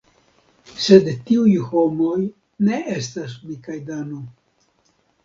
Sed tiuj homoj ne estas mi kaj Dano.